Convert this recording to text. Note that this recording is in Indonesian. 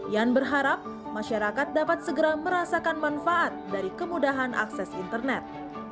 yan berharap masyarakat dapat segera merasakan manfaat dari kemudahan akses internet